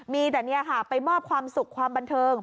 มีแต่นี่ค่ะไปมอบความสุขความบันเทิง